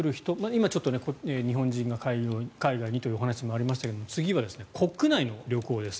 今、日本人が海外にというお話がありましたが次は国内の旅行です。